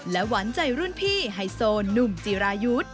หวานใจรุ่นพี่ไฮโซหนุ่มจิรายุทธ์